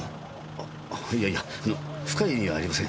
あいやいやあの深い意味はありません。